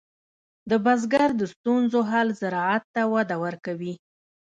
د بزګر د ستونزو حل زراعت ته وده ورکوي.